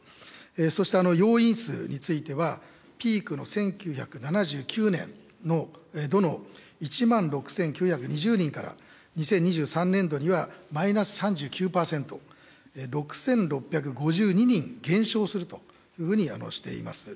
そして要員数については、ピークの１９７９年度の１万６９２０人から、２０２３年度にはマイナス３９％、６６５２人減少するというふうにしています。